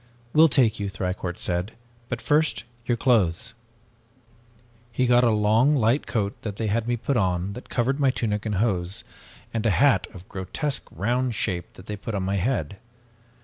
"'We'll take you,' Thicourt said, 'but first your clothes ' "He got a long light coat that they had me put on, that covered my tunic and hose, and a hat of grotesque round shape that they put on my head.